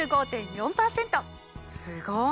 すごい！